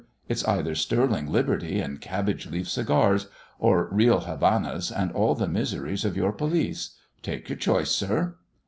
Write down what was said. It's either sterling liberty and cabbage leaf cigars, or real Havanas and all the miseries of your police. Take your choice, sir."